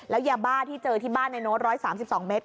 แล้วยาบ้าที่เจอที่บ้านในโน้ต๑๓๒เมตร